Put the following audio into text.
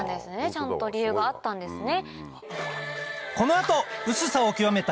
ちゃんと理由があったんですね。